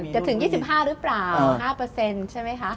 ถึง๒๕หรือเปล่า๕ใช่ไหมคะ